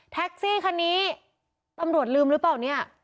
แท็กซี่คันนี้ตำรวจลืมหรือเปล่าเนี่ย